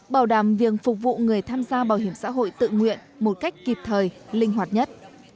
bảo đảm viên phục vụ người tham gia bảo hiểm xã hội tự nguyện một cách kịp thời linh hoạt nhất